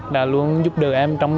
đã luôn giúp đỡ em trong